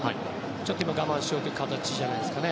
ちょっと今、我慢しようという形じゃないですか。